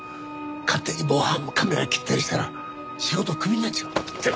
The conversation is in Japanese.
勝手に防犯カメラ切ったりしたら仕事クビになっちまう。